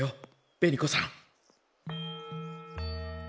紅子さん。